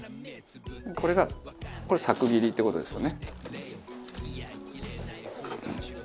これがこれさく切りって事ですよね。